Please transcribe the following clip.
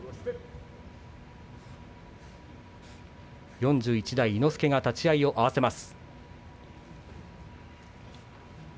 ４１代伊之助が立ち合いを合わせます。